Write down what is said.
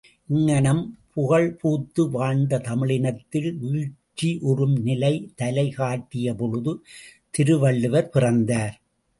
இங்ஙனம் புகழ்பூத்து வாழ்ந்த தமிழனத்தில் வீழ்ச்சியுறும் நிலை தலை காட்டிய பொழுது திருவள்ளுவர் பிறந்தார்.